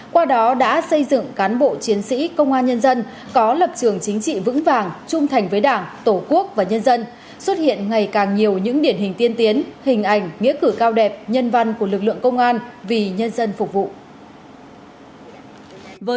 qua đó đã xây dựng cán bộ chiến sĩ công an nhân dân có lập trường chính trị vững vàng trung thành với đảng tổ quốc và nhân dân xuất hiện ngày càng nhiều những điển hình tiên tiến hình ảnh nghĩa cử cao đẹp nhân văn của lực lượng công an vì nhân dân phục vụ